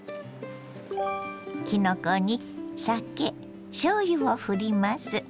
きのこに酒しょうゆをふります。